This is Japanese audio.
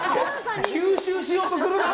吸収しようとするな！